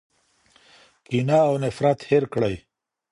کینه او نفرت هیر کړئ.